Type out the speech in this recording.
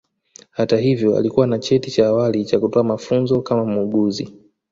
Hata hivyo alikuwa na cheti cha awali cha kutoa mafunzo kama muuguzi